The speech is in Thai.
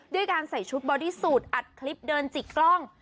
ด้วยการใส่ชุดบอดี้สูตรอัดคลิปเดินจิกกล้อง